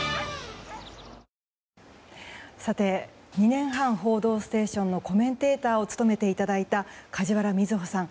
２年半「報道ステーション」のコメンテーターを務めていただいた梶原みずほさん